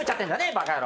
バカ野郎。